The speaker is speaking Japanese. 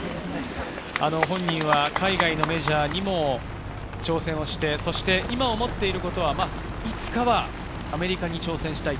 本人は海外のメジャーにも挑戦して、今、思っていることは、いつかはアメリカに挑戦したい。